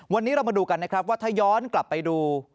วันนี้เรามาดูกันนะครับว่าถ้าย้อนกลับไปดู